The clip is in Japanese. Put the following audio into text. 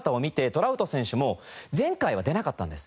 トラウト選手も前回は出なかったんです。